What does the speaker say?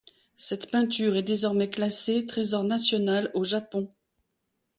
Cette peinture est désormais classée Trésor national au Japon.